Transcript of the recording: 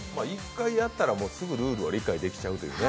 １回やったらすぐルールは理解できちゃうというね。